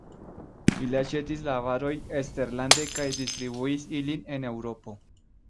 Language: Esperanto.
Ili aĉetis la varojn eksterlande kaj distribuis ilin en Eŭropo.